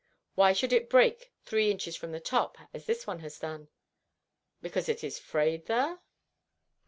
Why should it break three inches from the top as this one has done?" "Because it is frayed there?"